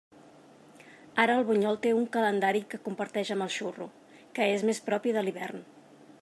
Ara el bunyol té un calendari que comparteix amb el xurro, que és més propi de l'hivern.